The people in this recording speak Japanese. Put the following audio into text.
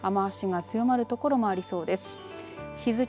雨足が強まるところもありそうです。